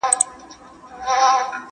څېړونکی د خپلې موضوع حدود پراخوي.